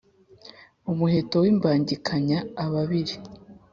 umuheto w’imbangikanya ababili,